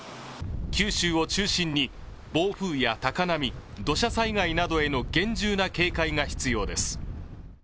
九州を中心に暴風雨や高波土砂災害への厳重な警戒が必要です。